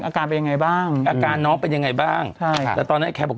อาการเป็นยังไงบ้างอาการน้องเป็นยังไงบ้างใช่ค่ะแต่ตอนนั้นแคร์บอก